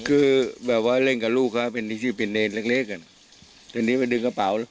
คือแบบว่าเล่นกับลูกเขาเป็นชื่อเป็นเนรเล็กเล็กอ่ะทีนี้ไปดึงกระเป๋าแล้ว